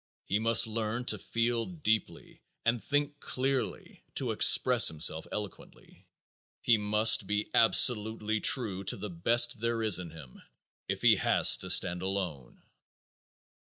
He must learn to feel deeply and think clearly to express himself eloquently. He must be absolutely true to the best there is in him, if he has to stand alone.